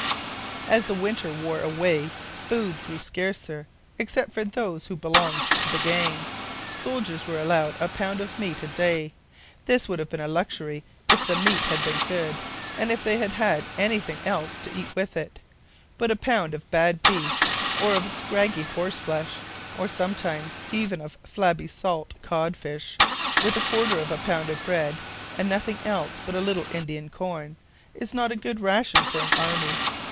As the winter wore away food grew scarcer except for those who belonged to the gang. Soldiers were allowed about a pound of meat a day. This would have been luxury if the meat had been good, and if they had had anything else to eat with it. But a pound of bad beef, or of scraggy horse flesh, or some times even of flabby salt cod fish, with a quarter of a pound of bread, and nothing else but a little Indian corn, is not a good ration for an army.